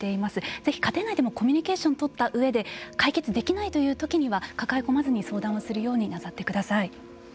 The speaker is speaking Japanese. ぜひ家庭内でもコミュニケーションをとった上で解決できないというときには抱え込まずに相談するようになさってください。